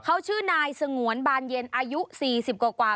เขาชื่อนายสงวนบานเย็นอายุ๔๐กว่า